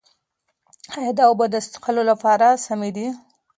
ایا دا اوبه د څښلو لپاره سمې دي؟